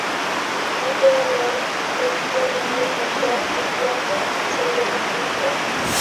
No pueda hablar cualquier lengua sabida, es guapo y sobre edad media.